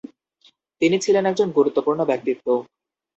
তিনি ছিলেন একজন গুরুত্বপূর্ণ ব্যক্তিত্ব ।